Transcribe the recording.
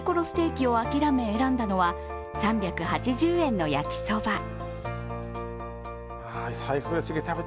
ステーキを諦め選んだのは３８０円の焼きそば。